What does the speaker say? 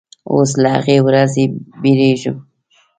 اوس له هغې ورځې بیریږم